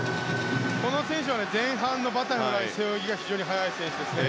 この選手は前半のバタフライと背泳ぎが非常に速い選手ですね。